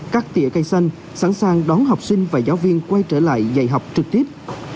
cắt tỉa cây xanh sẵn sàng đón học sinh và giáo viên quay trở lại dạy học trực tiếp